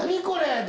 これ。